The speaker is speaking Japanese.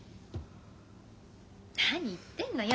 何言ってんのよ。